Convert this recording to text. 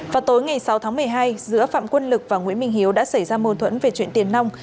vào tối ngày sáu tháng một mươi hai giữa phạm quân lực và nguyễn minh hiếu đã xảy ra mâu thuẫn về chuyện tiền nông